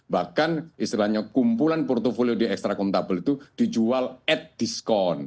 bahkan istilahnya kumpulan portfolio di ekstra contable itu dijual at diskon